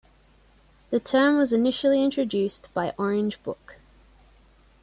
The term was initially introduced by Orange Book.